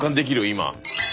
今。